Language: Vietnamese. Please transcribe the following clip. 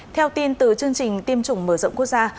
theo tin từ chương trình tiêm chủng mở rộng quốc gia